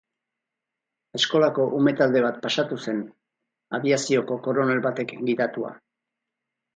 Eskolako ume talde bat pasatu zen, abiazioko koronel batek gidatua.